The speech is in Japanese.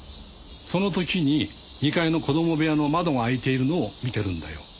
その時に２階の子供部屋の窓が開いているのを見てるんだよ。